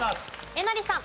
えなりさん。